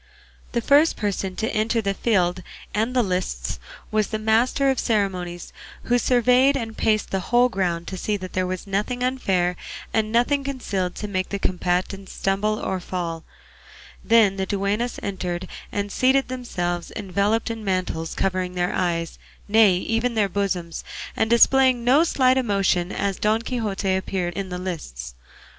The first person to enter the field and the lists was the master of the ceremonies, who surveyed and paced the whole ground to see that there was nothing unfair and nothing concealed to make the combatants stumble or fall; then the duennas entered and seated themselves, enveloped in mantles covering their eyes, nay even their bosoms, and displaying no slight emotion as Don Quixote appeared in the lists.